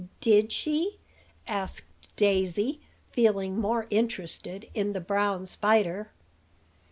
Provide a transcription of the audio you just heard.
Did she?" asked Daisy, feeling more interested in the brown spider.